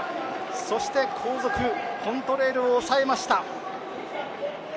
そして、後続、コントレイルを抑えました！